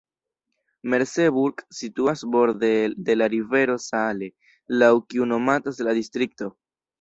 Merseburg situas borde de la rivero Saale, laŭ kiu nomatas la distrikto.